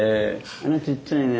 あらちっちゃいね。